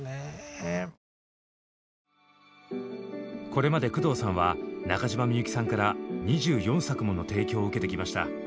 これまで工藤さんは中島みゆきさんから２４作もの提供を受けてきました。